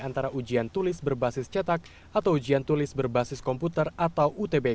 antara ujian tulis berbasis cetak atau ujian tulis berbasis komputer atau utbk